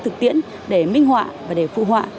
thực tiễn để minh họa và để phụ họa